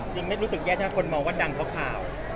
ไม่รู้สึกแย่ถ้าคนมองว่าดังเพราะข่าว